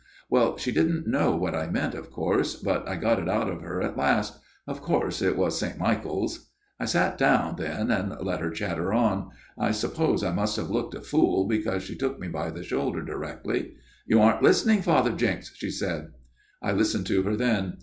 "Well, she didn't know what I meant, of course, but I got it out of her at last. Of course, it was St. Michael's. " 1 sat down then and let her chatter on. I 166 A MIRROR OF SHALOTT suppose I must have looked a fool, because she took me by the shoulder directly. "' You aren't listening, Father Jenks,' she said. " I attended to her then.